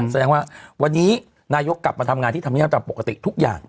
แสดงว่าวันนี้นายกกลับมาทำงานที่ธรรมเนียมตามปกติทุกอย่าง